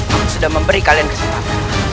kamu sudah memberi kalian kesempatan